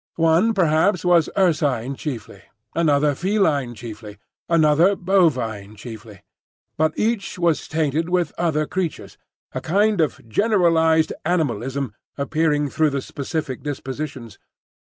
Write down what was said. One perhaps was ursine chiefly, another feline chiefly, another bovine chiefly; but each was tainted with other creatures,—a kind of generalised animalism appearing through the specific dispositions.